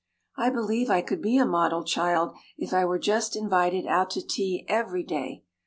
I believe I could be a model child if I were just invited out to tea every day.